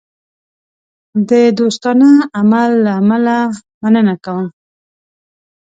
د دوستانه عمل له امله مننه کوم.